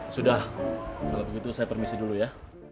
sudah kalau begitu saya permisi dulu ya